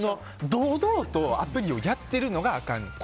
堂々とアプリをやってるのがあかんねん。